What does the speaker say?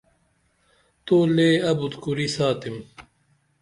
تو لے ابُت کُری ساتم